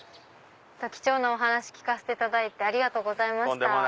貴重なお話聞かせていただいてありがとうございました。